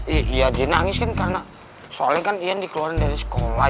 iya di nangis kan karena soalnya kan ian dikeluarin dari sekolah